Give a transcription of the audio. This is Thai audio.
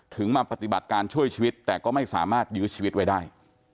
มาปฏิบัติการช่วยชีวิตแต่ก็ไม่สามารถยื้อชีวิตไว้ได้